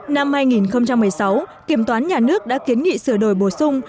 năm hai nghìn một mươi sáu kiểm toán nhà nước đã kiến nghị sửa đổi bổ sung